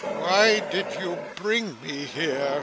'Why did you bring me here?